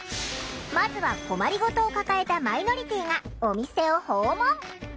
まずは困り事を抱えたマイノリティーがお店を訪問。